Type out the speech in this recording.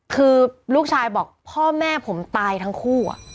คือลูกชายบอกพ่อแม่ผมตายทั้งคู่